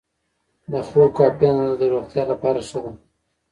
د خوب کافي اندازه د روغتیا لپاره ښه ده.